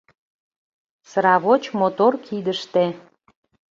Сравоч мотор кидыште.